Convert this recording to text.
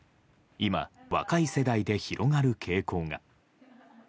今、若い世代で広がる傾向が。